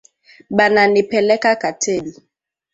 Bana nipeleka katebi